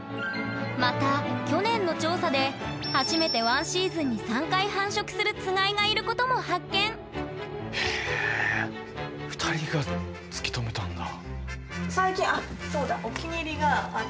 また去年の調査で初めて１シーズンに３回繁殖するつがいがいることも発見！へ２人が突き止めたんだ！